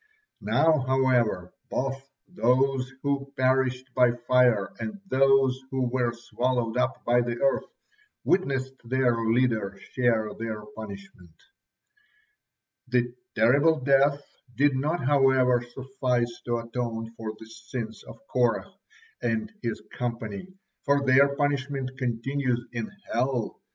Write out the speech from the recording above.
Now, however, both those who perished by fire and those who were swallowed up by the earth witnessed their leader share their punishment. This terrible death did not, however, suffice to atone for the sins of Korah and his company, for their punishment continues in hell.